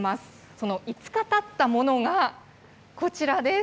その５日たったものがこちらです。